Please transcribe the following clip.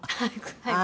はい。